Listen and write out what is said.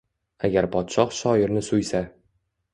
Agar podshoh shoirni suysa